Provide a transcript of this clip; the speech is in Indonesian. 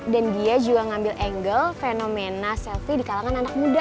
dan dia juga ngambil angle fenomena selfie di kalangan anak muda